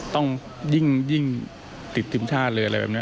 ต้องยิ่งยิ่งติดดินชาติอะไรแบบนี้